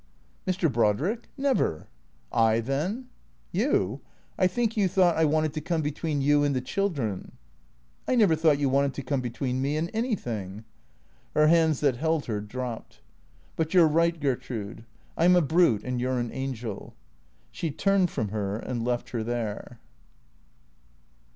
"Mr. Brodrick? Never." "I, then?" THE CREATORS 417 " You ? I think you thought I wanted to come between you and the children." " I never thought you wanted to come between me and any thing." Her hands that held her dropped. " But you 're right, Gertrude. I 'm a brute and you 're an angel." She turned from her and left her there.